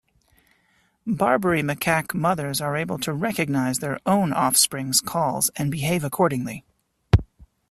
Barbary macaque mothers are able to recognize their own offspring's calls and behave accordingly.